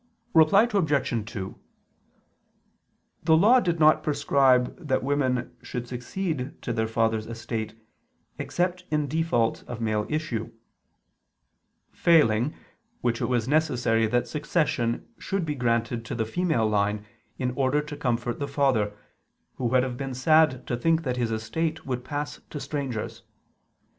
Reply Obj. 2: The Law did not prescribe that women should succeed to their father's estate except in default of male issue: failing which it was necessary that succession should be granted to the female line in order to comfort the father, who would have been sad to think that his estate would pass to strangers.